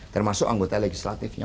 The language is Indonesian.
termasuk anggota legislatifnya